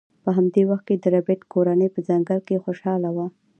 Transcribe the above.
په همدې وخت کې د ربیټ کورنۍ په ځنګل کې خوشحاله وه